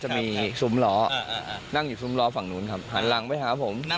หน้างอยู่ซุมล้อฝั่งนู่นครับหันหลังไปหาผม